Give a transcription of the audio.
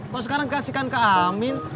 kok sekarang dikasihkan ke amin